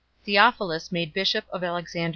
Theophilus made bishop of Alexandria.